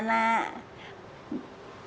mau bicara apa